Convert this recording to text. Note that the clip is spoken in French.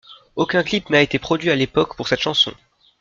Aucun clip n'a été produit à l'époque pour cette chanson.